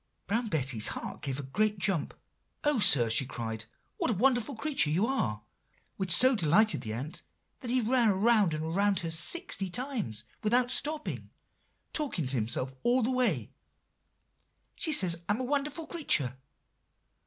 "Brown Betty's heart gave a great jump. 'Oh, sir!' she cried, 'what a wonderful creature you are!' which so delighted the ant, that he ran round and round her sixty times without stopping, talking to himself all the while; 'She says I'm a wonderful creature.